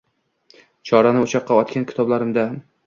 Chorani o’choqqa otgan kitoblarimda